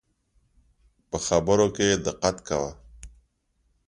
په خبرو کي دقت کوه